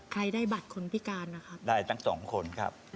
ได้บัตรคนพิการนะครับได้ทั้งสองคนครับ